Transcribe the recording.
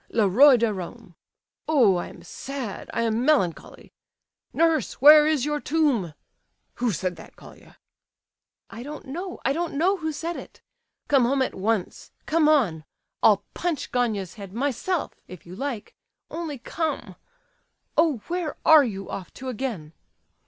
Le roi de Rome. Oh, I am sad, I am melancholy! "'Nurse, where is your tomb?' "Who said that, Colia?" "I don't know, I don't know who said it. Come home at once; come on! I'll punch Gania's head myself, if you like—only come. Oh, where are you off to again?"